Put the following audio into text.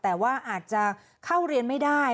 แต่ว่าอาจจะเข้าเรียนไม่ได้